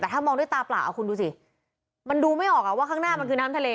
แต่ถ้ามองด้วยตาเปล่าเอาคุณดูสิมันดูไม่ออกว่าข้างหน้ามันคือน้ำทะเล